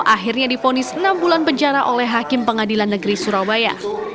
akhirnya difonis enam bulan penjara oleh hakim pengadilan negeri surabaya